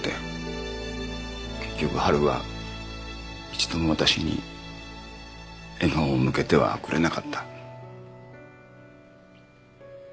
結局ハルは一度も私に笑顔を向けてはくれなかった。